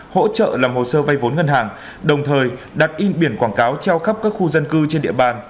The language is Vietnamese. hỗ trợ làm hồ sơ vay vốn ngân hàng đồng thời đặt in biển quảng cáo treo khắp các khu dân cư trên địa bàn